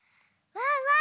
ワンワン